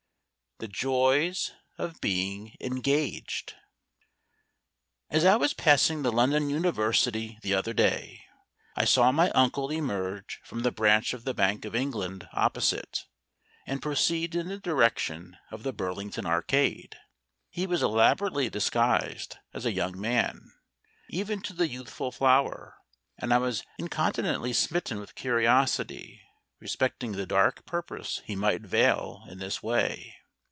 THE JOYS OF BEING ENGAGED As I was passing the London University the other day I saw my uncle emerge from the branch of the Bank of England opposite, and proceed in the direction of the Burlington Arcade. He was elaborately disguised as a young man, even to the youthful flower, and I was incontinently smitten with curiosity respecting the dark purpose he might veil in this way.